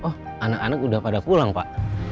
oh anak anak udah pada pulang pak